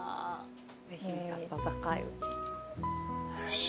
ぜひ温かいうちに。